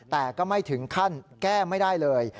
แต่ก็ไม่ถึงขั้นแก้ไม่ได้เลย